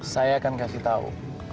saya akan kasih tau